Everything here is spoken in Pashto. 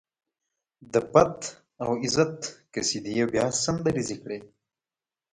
د پت او عزت قصيدې يې بيا سندريزې کړې.